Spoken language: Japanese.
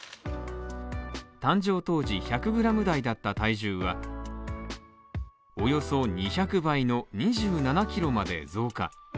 誕生当時１００グラム台だった体重はおよそ２００倍の２７キロまで増加。